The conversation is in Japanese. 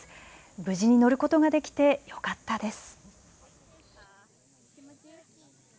無事に乗ることができてよかったです。